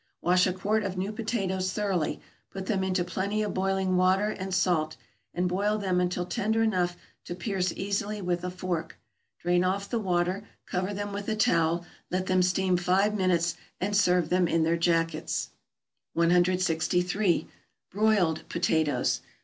= Wash a quart of new potatoes thoroughly, put them into plenty of boiling water and salt, and boil them until tender enough to pierce easily with a fork; drain off the water, cover them with a towel, let them steam five minutes, and serve them in their jackets. 163. =Broiled Potatoes.